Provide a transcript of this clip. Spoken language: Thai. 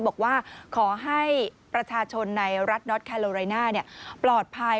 บอกว่าขอให้ประชาชนในรัฐน็อตแคโลไรน่าปลอดภัย